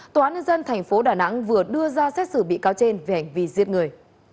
tòa án dân thành phố đà nẵng vừa đưa ra xét xử bị cáo trên về ảnh vi giết người